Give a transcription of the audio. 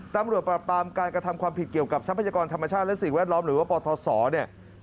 ประปามการกระทำความผิดเกี่ยวกับทรัพยากรธรรมชาติและสิ่งแวดล้อมหรือว่าปทศเนี่ย